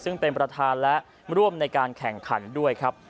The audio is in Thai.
ซึ่งเป็นประธานและร่วมในการแข่งขันด้วยครับ